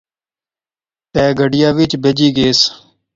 تہ گڈیا وچ بہجی گئیس